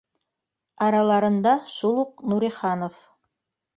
Араларында шул уҡ Нуриханов